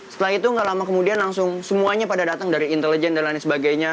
setelah itu gak lama kemudian langsung semuanya pada datang dari intelijen dan lain sebagainya